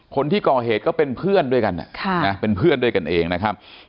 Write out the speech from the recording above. คนที่ก่อเหตุก็เป็นเพื่อนด้วยกันเป็นเพื่อนด้วยกันเองนะครับ